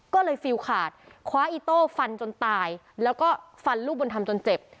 ก็เลยฟิลขาดคว้าอีโต้ฟันจนตายแล้วก็ฟันลูกบุญธรรมจนเจ็บ